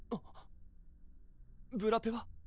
ブラペは？